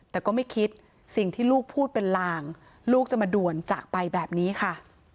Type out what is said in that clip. แต่ก็ไม่คิดสิ่งที่ลูกพูดเป็นลางลูกจะมาด่วนจากไปแบบนี้ค่ะ